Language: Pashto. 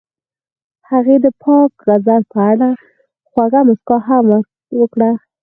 هغې د پاک غزل په اړه خوږه موسکا هم وکړه.